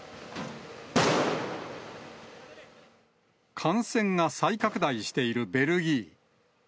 感染が再拡大しているベルギー。